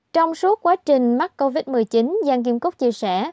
trong suốt quá trình mắc covid một mươi chín giang kim cúc chia sẻ